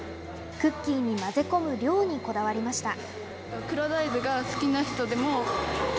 クッキーに混ぜ込む量にこだわりました。